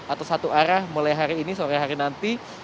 atau satu arah mulai hari ini sore hari nanti